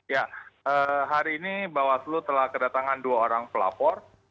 ya hari ini bawaslu telah kedatangan dua orang pelapor